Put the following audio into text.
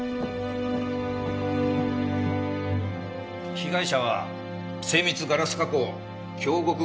被害者は精密ガラス加工京極硝子